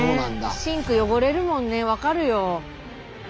シンク汚れるもんね分かるよ。